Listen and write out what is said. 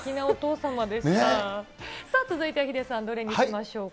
さあ、続いてヒデさん、どれにしましょうか。